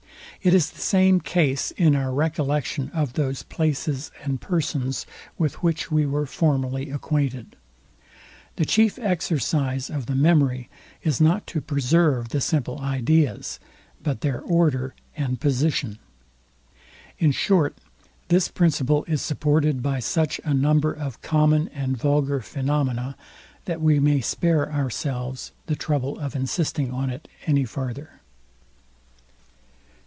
It is the same case in our recollection of those places and persons, with which we were formerly acquainted. The chief exercise of the memory is not to preserve the simple ideas, but their order and position. In short, this principle is supported by such a number of common and vulgar phaenomena, that we may spare ourselves the trouble of insisting on it any farther.